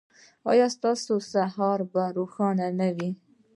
ایا ستاسو سهار به روښانه نه وي؟